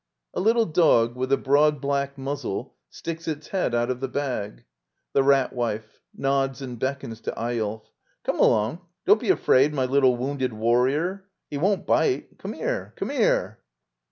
[A little dog with a broad black muzzle sticks its head out of the bag.] The Rat Wife. [Nods and beckons to Ey olf.] Come along, don't be afraid, my little wounded warrior! He won't bite. Come here! Come here!